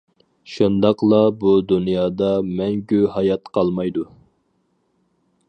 شۇنداقلا بۇ دۇنيادا مەڭگۈ ھايات قالمايدۇ.